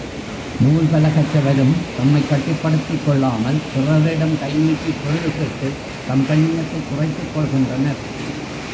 நூல் பல கற்றவரும் தம்மைக் கட்டுப்படுத்திக் கொள்ளாமல் பிறரிடம் கைநீட்டிப் பொருள் கேட்டுத் தம் கண்ணியத்தைக் குறைத்துக்கொள்கின்றனர்.